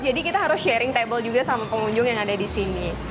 jadi kita harus sharing table juga sama pengunjung yang ada di sini